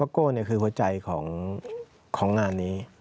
ว่าโก้นี่คือหัวใจของงานนี้